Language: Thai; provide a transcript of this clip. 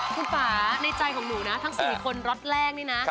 คุณป่าในใจของหนูนะทั้ง๔คนล็อตแรกนี่นะ